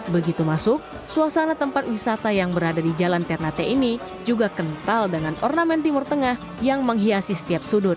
begitu masuk suasana tempat wisata yang berada di jalan ternate ini juga kental dengan ornamen timur tengah yang menghiasi setiap sudut